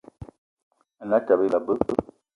Ane Atёbё Ebe anga be